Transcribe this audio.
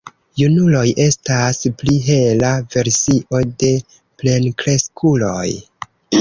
Junuloj estas pli hela versio de plenkreskuloj.